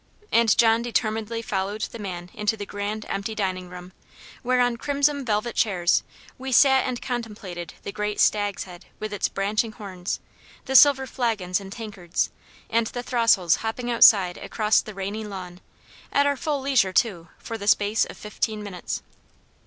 And John determinedly followed the man into the grand empty dining room, where, on crimson velvet chairs, we sat and contemplated the great stag's head with its branching horns, the silver flagons and tankards, and the throstles hopping outside across the rainy lawn: at our full leisure, too, for the space of fifteen minutes.